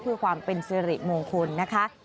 เพื่อความเป็นสิริมงคลนะคะ